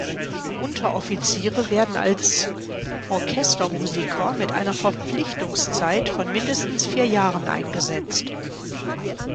Unteroffiziere werden als Orchestermusiker mit einer Verpflichtungszeit von mindestens vier Jahren eingesetzt.